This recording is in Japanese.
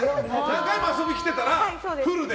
何回も遊び来てたら、フルで？